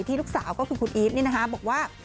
ลูกสาวก็คือคุณอีฟบอกว่า